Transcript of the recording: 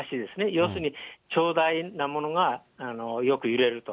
要するに長大なものがよく揺れると。